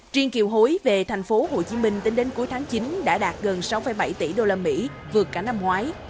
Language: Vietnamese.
truyền kiều hối về thành phố hồ chí minh tính đến cuối tháng chín đã đạt gần sáu bảy tỷ usd vượt cả năm ngoái